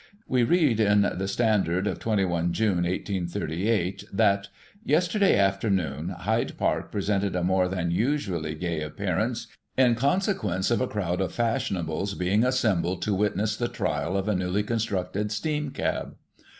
We read in the Standard of 21 June, 1838, that " Yesterday afternoon, Hyde Park presented a more than usually gay appearance, in consequence of a crowd of fashionables being assembled to witness the trial of a newly constructed steeim cab.